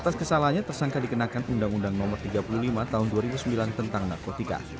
atas kesalahannya tersangka dikenakan undang undang no tiga puluh lima tahun dua ribu sembilan tentang narkotika